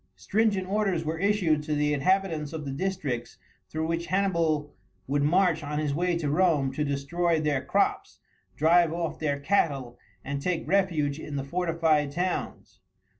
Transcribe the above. Stringent orders were issued to the inhabitants of the districts through which Hannibal would march on his way to Rome to destroy their crops, drive off their cattle, and take refuge in the fortified towns.